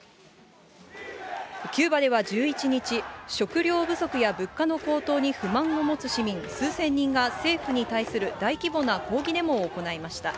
キューバでは１１日、食料不足や物価の高騰に不満を持つ市民数千人が政府に対する大規模な抗議デモを行いました。